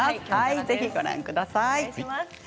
ぜひご覧ください。